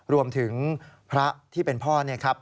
รวมถึงพระที่เป็นพ่อเนี่ยครับ